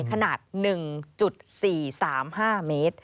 ขนาด๑๔๓๕เมตร